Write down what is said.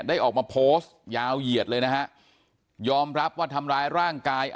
ออกมาโพสต์ยาวเหยียดเลยนะฮะยอมรับว่าทำร้ายร่างกาย